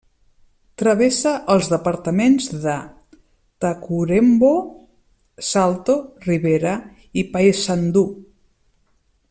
Travessa els departaments de Tacuarembó, Salto, Rivera i Paysandú.